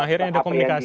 akhirnya sudah komunikasi